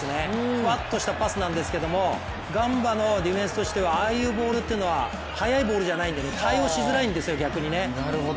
ふわっとしたパスなんですけどもガンバのディフェンスとしてはああいうボールというのは速いボールじゃないんで、対応しづらいんですよね、逆に。